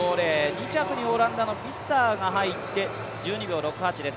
２着にオランダのビッサーが入って１２秒６８です。